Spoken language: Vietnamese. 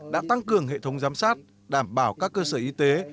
đã tăng cường hệ thống giám sát đảm bảo các cơ sở y tế